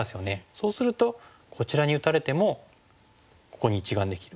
そうするとこちらに打たれてもここに１眼できる。